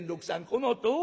このとおりや。